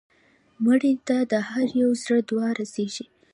مړه ته د هر یو زړه دعا رسېږي